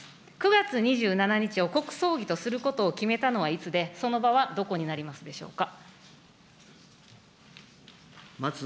９月２７日を国葬儀とすることを決めたのはいつで、その場はどこになりますでしょうか。